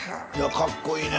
かっこいいね。